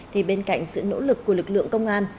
thì bên cạnh sự nỗ lực của lực lượng công an